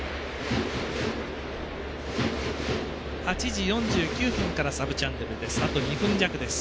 ８時４９分からサブチャンネルです。